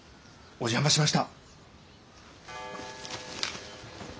お邪魔しました。